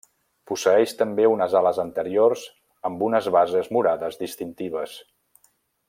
Posseeix també unes ales anteriors amb unes bases morades distintives.